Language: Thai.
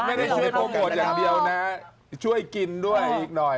ไม่ได้ช่วยโปรโมทอย่างเดียวนะช่วยกินด้วยอีกหน่อย